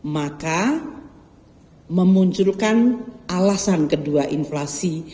maka memunculkan alasan kedua inflasi